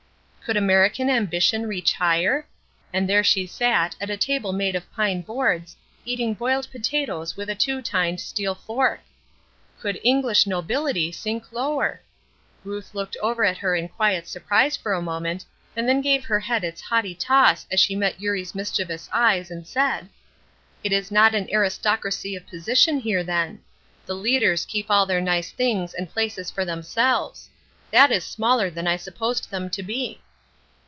Could American ambition reach higher? And there she sat, at a table made of pine boards, eating boiled potatoes with a two tined steel fork! Could English nobility sink lower! Ruth looked over at her in quiet surprise for a moment, and then gave her head its haughty toss as she met Eurie's mischievous eyes, and said: "It is not an aristocracy of position here, then. The leaders keep all their nice things and places for themselves. That is smaller than I supposed them to be."